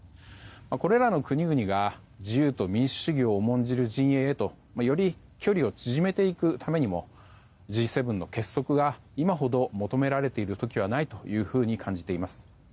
これらの国々が自由と民主主義を重んじる陣営へとより距離を縮めていくためにもＧ７の結束が今ほど求められている時はないというふうに感じています。